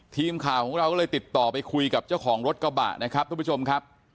ทีมข่าวของเราก็เลยติดต่อไปคุยกับเจ้าของรถกระบะนะครับทุกผู้ชมครับ